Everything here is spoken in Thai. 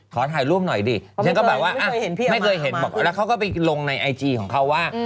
ขอถ่ายรูปหน่อยดิฉันก็แบบว่าไม่เคยเห็นบอกแล้วเขาก็ไปลงในไอจีของเขาว่า